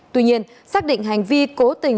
tuy nhiên xác định hành vi cố tình trọng thương